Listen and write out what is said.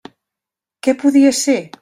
Què podia ser?